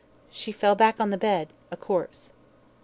She fell back on the bed, a corpse.